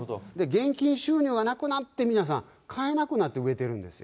現金収入がなくなって、皆さん、買えなくなって飢えてるんですよ。